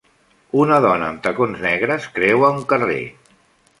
Una dona amb tacons negres creua un carrer.